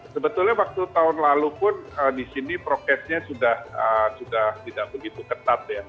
sebetulnya waktu tahun lalu pun di sini prokesnya sudah tidak begitu ketat ya